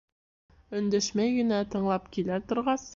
Өндәшмәй генә тыңлап килә торғас: